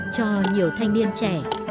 cho nhiều thanh niên trẻ